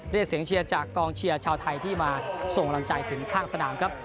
เรียกเสียงเชียร์จากกองเชียร์ชาวไทยที่มาส่งกำลังใจถึงข้างสนามครับ